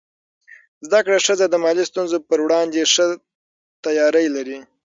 زده کړه ښځه د مالي ستونزو پر وړاندې ښه تیاری لري.